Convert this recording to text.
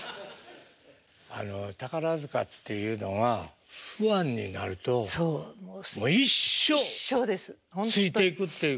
あの宝塚っていうのはファンになるともう一生ついていくっていうか。